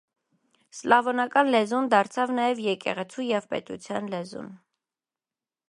Սլաւոնական լեզուն դարձաւ նաեւ եկեղեցւոյ եւ պետութեան լեզուն։